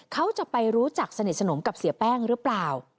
เขาจะไปรู้จักสนิทสนมกับเสียแป้งหรือเปล่า